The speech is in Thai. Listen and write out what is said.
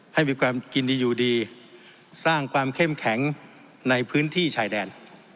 ให้มีความกินดีอยู่ดีสร้างความเข้มแข็งในพื้นที่ชายแดน